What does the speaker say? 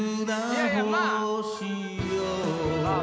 いやいやまぁ。